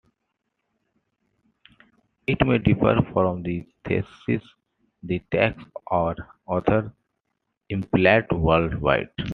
It may differ from the thesis-the text's or author's implied worldview.